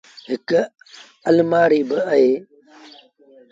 هڪڙيٚ المآريٚ با اهي۔